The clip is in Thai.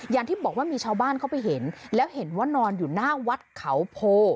อย่างที่บอกว่ามีชาวบ้านเข้าไปเห็นแล้วเห็นว่านอนอยู่หน้าวัดเขาโพ